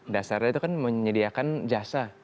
dasarnya itu kan menyediakan jasa